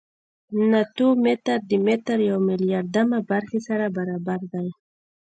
ناتو متر د متر د یو میلیاردمه برخې سره برابر دی.